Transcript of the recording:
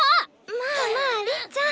まあまありっちゃん。